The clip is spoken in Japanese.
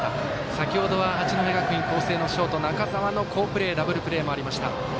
先ほどは八戸学院光星のショート中澤の好プレーダブルプレーもありました。